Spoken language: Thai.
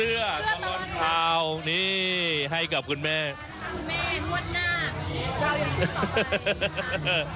เสื้อตอนนี้นี่ให้กับคุณแม่คุณแม่นวดหน้าเรายังคือต่อไปขอบคุณนะครับ